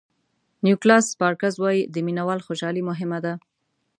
نیکولاس سپارکز وایي د مینه وال خوشالي مهمه ده.